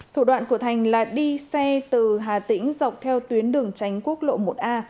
thủ đoạn của thành là đi xe từ hà tĩnh dọc theo tuyến đường tránh quốc lộ một a